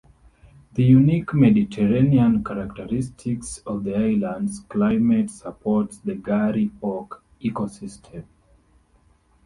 The unique Mediterranean characteristics of the islands' climate supports the Garry oak ecosystem.